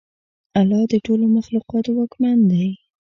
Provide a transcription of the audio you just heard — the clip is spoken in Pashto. الله د ټولو مخلوقاتو واکمن دی.